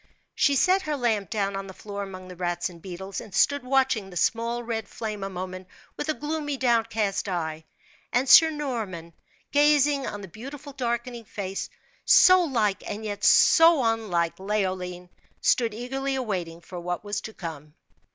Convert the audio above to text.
She set her lamp down on the floor among the rats and beetles, and stood watching the small, red flame a moment with a gloomy, downcast eye; and Sir Norman, gazing on the beautiful darkening face, so like and yet so unlike Leoline, stood eagerly awaiting what was to come.